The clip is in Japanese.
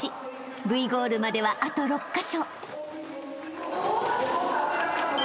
［Ｖゴールまではあと６カ所］